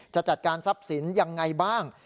จะจัดการทรัพย์สินยังไงบ้าง